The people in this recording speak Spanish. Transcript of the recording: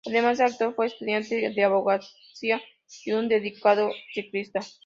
Además de actor fue estudiante de abogacía y un dedicado ciclista.